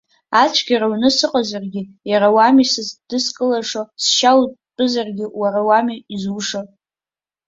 Ацәгьара уны сыҟазаргьы, уара уами сыздызкылаша, сшьа утәызаргьы, уара уами изуша!